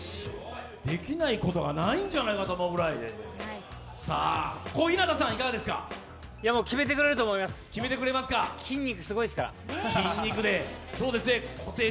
できないことがないんじゃないかと思うぐらいもう決めてくれると思います、筋肉すごいですから。